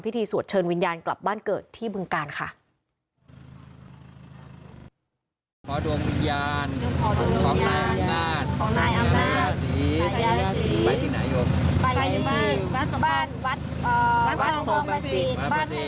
ไปที่บ้านวัดวัดพระภาษีบ้านห่วงภอม